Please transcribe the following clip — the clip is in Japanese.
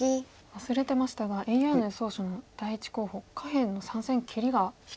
忘れてましたがＡＩの予想手の第１候補下辺の３線切りが光ってますね。